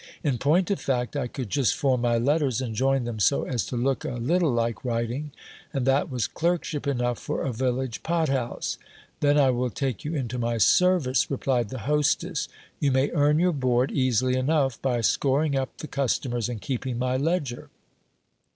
In point of fact, I could just form my letters, and join them so as to look a little like writing ; and that was clerkship enough for a village pothouse. Then I will take you into my service, replied the hostess. You may earn your board easily enough, by scoring up the customers, and keeping my ledger.